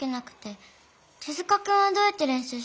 手塚くんはどうやってれんしゅうしてるの？